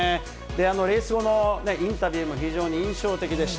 レース後のインタビューも非常に印象的でした。